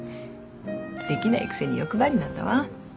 できないくせに欲張りなんだわ。